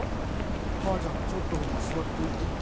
母ちゃんがちょっとの間座っといてって。